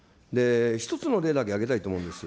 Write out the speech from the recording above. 一つの例だけ挙げたいと思うんです。